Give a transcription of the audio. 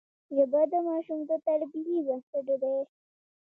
ژبه د ماشوم د تربیې بنسټ دی